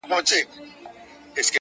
مجبورۍ پر خپل عمل کړلې پښېمانه!